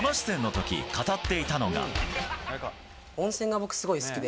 温泉が僕、すごい好きで。